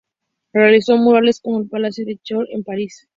Realizó murales, como los del palacio de Chaillot en París.